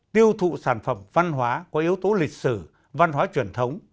tiêu thụ sản phẩm văn hóa có yếu tố lịch sử văn hóa truyền thống